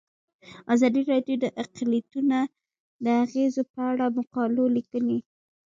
ازادي راډیو د اقلیتونه د اغیزو په اړه مقالو لیکلي.